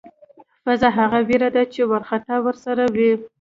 فذع هغه وېره ده چې وارخطایی ورسره وي.